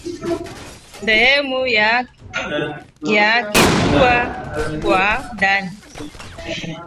sehemu ya kifua kwa ndani